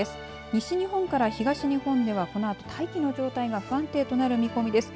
西日本から東日本ではこのあと大気の状態が不安定となる見込みです。